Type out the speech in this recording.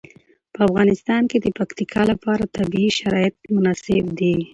په افغانستان کې د پکتیکا لپاره طبیعي شرایط مناسب دي.